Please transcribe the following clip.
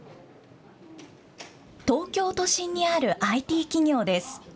東京都心にあるＩＴ企業です。